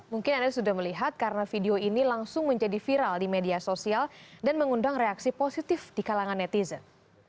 mungkin anda sudah melihat karena video ini langsung menjadi viral di media sosial dan mengundang reaksi positif di kalangan netizen